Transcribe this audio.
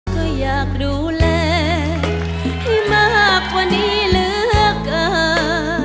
ก็อยากดูแลให้มากกว่านี้เหลือเกิน